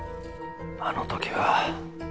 あの時は。